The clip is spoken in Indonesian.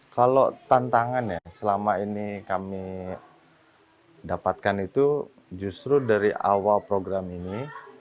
kalau tantangan yang selama ini kami dapatkan itu justru dari awal program ini